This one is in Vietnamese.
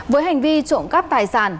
với hành vi trộm cắp tài sản